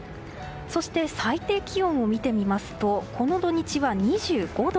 そして、最低気温を見てみますとこの土日は２５度。